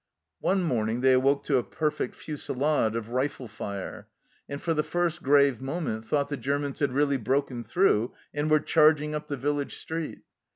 One morning they awoke to a perfect fusillade of rifle fire, and for the first grave moment thought the Germans had really broken through and were charging up the village street.